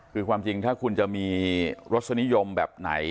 คือความจริงถ้าคุณจะมีรสนิยมแบบไหน